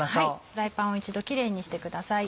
フライパンを一度キレイにしてください。